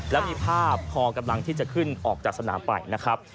แล้วมีภาพพอกำลังที่จะขึ้นออกจากสนามไปนะครับ